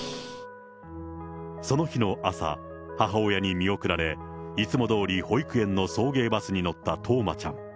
その日の朝、母親に見送られ、いつもどおり保育園の送迎バスに乗った冬生ちゃん。